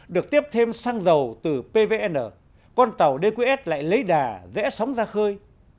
được tiếp thêm xăng dầu từ pvn con tàu dqs lại lấy đà rẽ sóng ra khơi